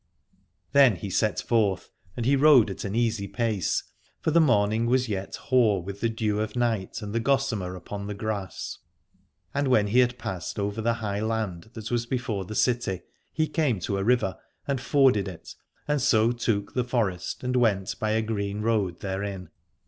Then he set forth, and he rode at an easy pace, for the morning was yet hoar with the dew of night and the gossamer upon the grass. And when he had passed over the high land that was before the city he came to a river and forded it, and so took the forest and went by a green road therein.